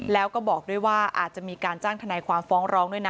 แล้วก็บอกด้วยว่าอาจจะมีการจ้างทนายความฟ้องร้องด้วยนะ